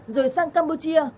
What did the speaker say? rồi sang campuchia